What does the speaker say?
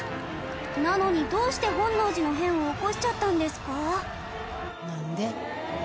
なのにどうして本能寺の変を起こしちゃったんですか？